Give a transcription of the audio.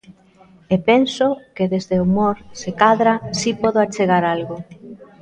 E penso que desde o humor se cadra si podo achegar algo.